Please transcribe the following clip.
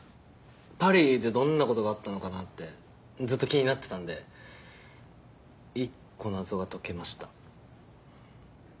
パリでどんなことがあったのかなってずっと気になってたんで１個謎が解けました。